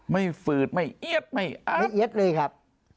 ไม่ฝืดไม่เอี๊ยดไม่อั๊บ